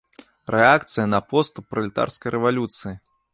Рэакцыя на поступ пралетарскай рэвалюцыі!